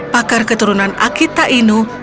pakar keturunan akita inu